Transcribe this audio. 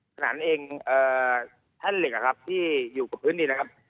ขนาดนั้นเองแท่นเหล็กอะครับที่อยู่กับพื้นดินนะครับ